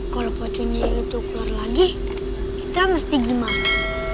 kalau poconya itu keluar lagi kita mesti gimana